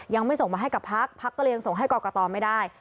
ยังไม่ส่งมาให้กับพักพักก็เลยยังส่งให้กรกตไม่ได้